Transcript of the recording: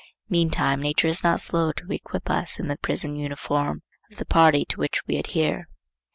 Meantime nature is not slow to equip us in the prison uniform of the party to which we adhere.